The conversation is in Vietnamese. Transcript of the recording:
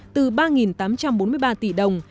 từ ba tám trăm bốn mươi ba tỷ đồng